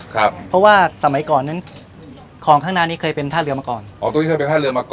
ครับเพราะว่าสมัยก่อนนั้นของข้างหน้านี้เคยเป็นท่าเรือมาก่อนอ๋อตรงนี้เคยเป็นท่าเรือมาก่อน